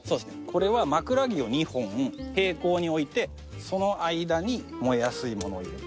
これは枕木を２本並行に置いてその間に燃えやすいものを入れて。